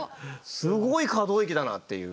すごい可動域だなっていう。